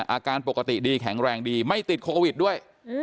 อาการปกติดีแข็งแรงดีไม่ติดโควิดด้วย